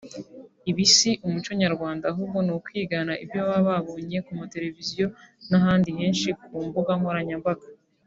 Ibi si umuco nyarwanda ahubwo ni ukwigana ibyo baba babonye ku mateleviziyo n’ahandi henshi ku mbuga nkoranyambaga